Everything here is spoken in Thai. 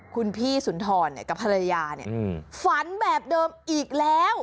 คุณพี่สุนทรกับภรรยาฝันแบบเดิมอีกแล้ว